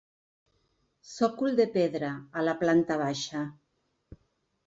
Sòcol de pedra a la planta baixa.